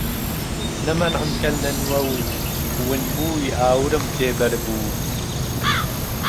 نە مەنعم کەن لە نووەو ون بووی ئاورم تێ بەر بوو